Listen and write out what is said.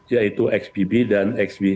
yaitu xbb dan xb